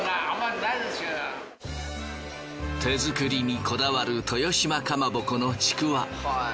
手作りにこだわる豊島蒲鉾のちくわ。